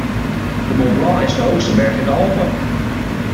De Mont Blanc is de hoogste berg in de Alpen.